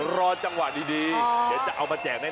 รอจังหวะดีเดี๋ยวจะเอามาแจกแน่